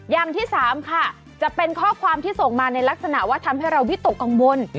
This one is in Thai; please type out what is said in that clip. อย่างที่สามค่ะจะเป็นข้อความที่ส่งมาในลักษณะว่าทำให้เราวิตกกังวล